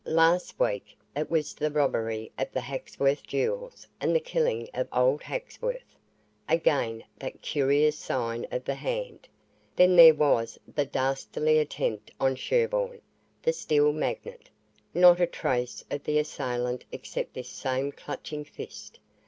Last week it was the robbery of the Haxworth jewels and the killing of old Haxworth. Again that curious sign of the hand. Then there was the dastardly attempt on Sherburne, the steel magnate. Not a trace of the assailant except this same clutching fist.